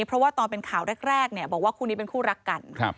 เพราะว่าตอนเป็นข่าวแรกเนี่ยบอกว่าคู่นี้เป็นคู่รักกัน